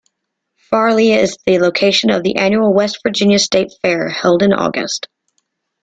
Fairlea is the location of the annual West Virginia State Fair, held in August.